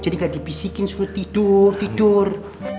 jadi tidak dibisikin suruh tidur tidur tidur